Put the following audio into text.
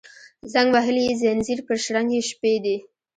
زنګ وهلي یې ځینځیر پر شرنګ یې شپې دي